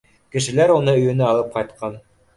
Кешеләр уны өйөнә алып ҡайтҡан.